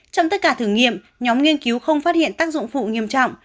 trong tất cả thử nghiệm nhóm nghiên cứu không phát hiện tác dụng phụ nghiêm trọng